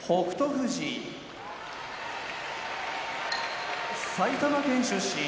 富士埼玉県出身